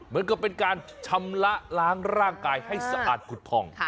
มันก็เป็นการชำระล้างร่างกายให้สะอาดขุดทอง